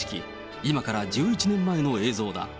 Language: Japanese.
今から１１年前の映像だ。